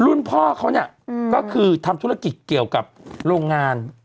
รุ่นพ่อเขาเนี่ยก็คือทำธุรกิจเกี่ยวกับโรงงาน